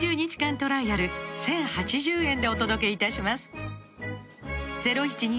トライアル１，０８０円でお届けいたします